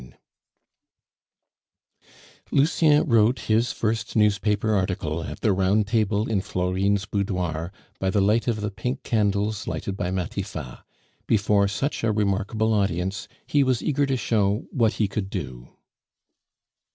And Lucien wrote his first newspaper article at the round table in Florine's boudoir, by the light of the pink candles lighted by Matifat; before such a remarkable audience he was eager to show what he could do.